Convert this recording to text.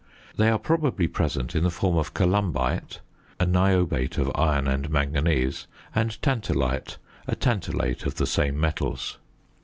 They are probably present in the form of columbite, a niobate of iron and manganese; and tantalite, a tantalate of the same metals.